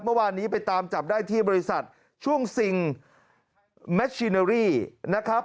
เมื่อวานนี้ไปตามจับได้ที่บริษัทช่วงซิงแมชชิเนอรี่นะครับ